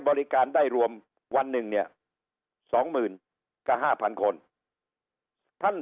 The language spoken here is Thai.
บริการได้รวมวันหนึ่งเนี่ยสองหมื่นกับห้าพันคนท่าน